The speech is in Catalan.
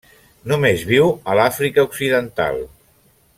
Només viu a l'Àfrica Occidental.